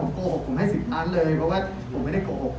คือเรียกได้ว่าก็พูดให้ฟังเดียวเฉยเฉยว่ามันบอดจริง